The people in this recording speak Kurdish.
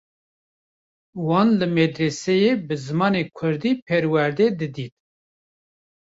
Wan li medreseyê bi zimanê Kurdî perwerde didît.